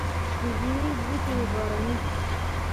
د زیرې بوټی غرنی دی